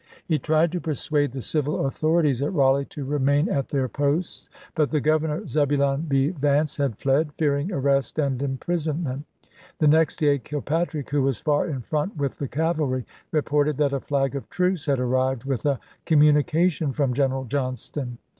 He tried to persuade the civil authorities at Raleigh to remain at their posts ; but the governor, Zebulon B. Vance, had fled, fearing arrest and imprisonment. The next day Kilpatrick, who was far in front with the cavalry, reported that a flag of truce had arrived with a communication from General Johnston.